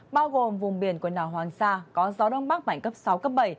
bao gồm vùng biển của nào hoàng sa có gió đông bắc mạnh cấp sáu cấp bảy